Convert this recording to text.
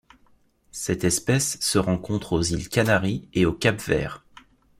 Cette espèce se rencontre aux îles Canaries et au Cap-Vert.